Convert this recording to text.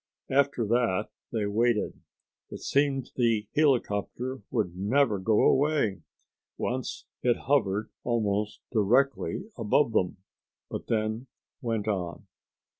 After that they waited. It seemed the helicopter would never go away. Once it hovered almost directly above them, but then went on.